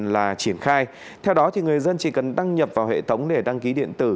là triển khai theo đó thì người dân chỉ cần đăng nhập vào hệ thống để đăng ký điện tử